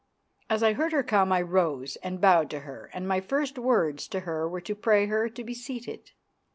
As I heard her come I rose and bowed to her, and my first words to her were to pray her to be seated.